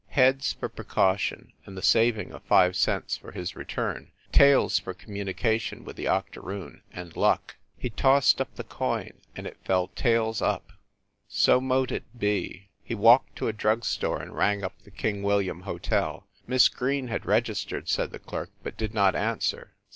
Heads for precau tion, and the saving of five cents for his return; tails for communication with the octoroon and luck. He tossed up the coin, and it fell tails up. So mote it be! He walked to a drug store and rang up the King William Hotel. Miss Green had registered, said the clerk, but did not answer.